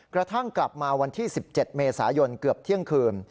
กระทั่งกลับมาวันที่๑๗เมษายนเกือบเที่ยงคืน